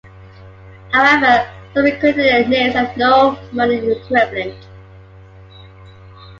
However, some Aquitanian names have no modern equivalent.